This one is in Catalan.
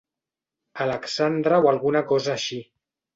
Alexandra o alguna cosa així.